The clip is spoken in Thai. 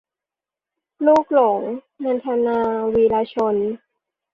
ลูกหลง - นันทนา วีระชน